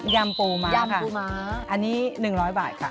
ยามปูมะค่ะอันนี้๑๐๐บาทค่ะ